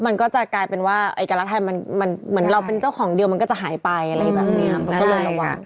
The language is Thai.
มันก็จะกลายเป็นว่าเอกลักษณ์ไทยมันเหมือนเราเป็นเจ้าของเดียวมันก็จะหายไปอะไรแบบนี้มันก็เลยระวัง